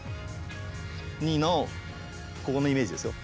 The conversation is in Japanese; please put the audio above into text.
ここのイメージですよ